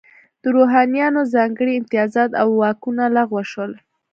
د روحانینو ځانګړي امتیازات او واکونه لغوه شول.